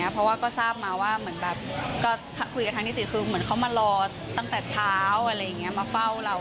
เพราะว่าก็ทราบมาว่าคุยกับทางนิติคือเหมือนเขามารอตั้งแต่เช้ามาเฝ้าเรา